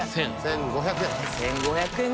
１５００円。